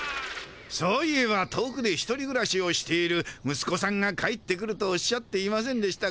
そういえば遠くで１人ぐらしをしているむすこさんが帰ってくるとおっしゃっていませんでしたかな？